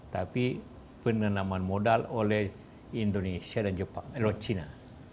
tapi penerimaan modal oleh indonesia dan cina